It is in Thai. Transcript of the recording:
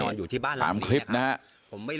นี่ถามคลิปนะครับ